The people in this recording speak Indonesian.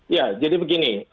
ya jadi begini